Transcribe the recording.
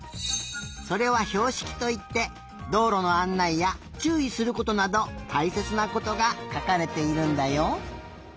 それはひょうしきといってどうろのあんないやちゅういすることなどたいせつなことがかかれているんだよ。